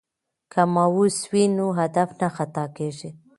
که ماوس وي نو هدف نه خطا کیږي.